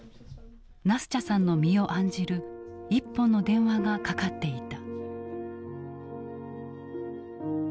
ナスチャさんの身を案じる一本の電話がかかっていた。